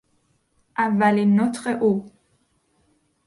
اولین نطق او